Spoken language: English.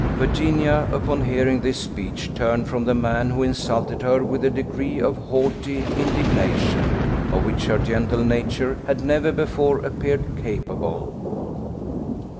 Virginia, upon hearing this speech, turned from the man who insulted her with a degree of haughty indignation, of which her gentle nature had never before appeared capable.